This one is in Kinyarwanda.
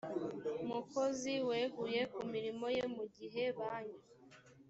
mukozi weguye ku mirimo ye mu gihe banki